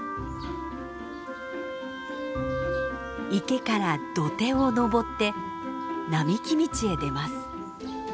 池から土手を登って並木道へ出ます。